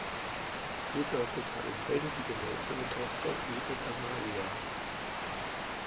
Später bekamen beide die gemeinsame Tochter Edith Amalia.